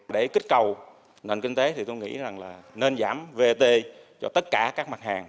để kích cầu nền kinh tế thì tôi nghĩ là nên giảm vat cho tất cả các mặt hàng